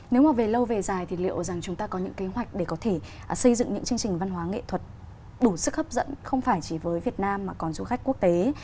nếu mà về lâu về dài thì liệu rằng chúng ta có những kế hoạch để có thể xây dựng những chương trình văn hóa nghệ thuật đủ sức hấp dẫn không phải chỉ với việt nam mà còn du khách quốc tế